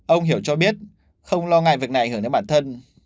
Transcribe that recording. ông hiểu cho biết không lo ngại việc này ảnh hưởng đến bản thân